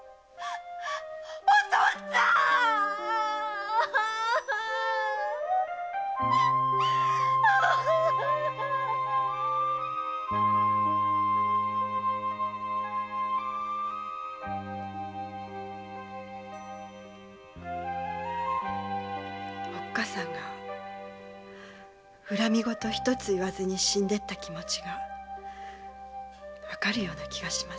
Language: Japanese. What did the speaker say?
お父っつぁーん‼おっかさんが恨み言ひとつ言わず死んでいった気持ちがわかるような気がします。